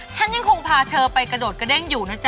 ฉันยังคงพาเธอไปกระโดดกระเด้งอยู่นะจ๊